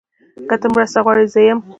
که ته مرسته غواړې، زه یم.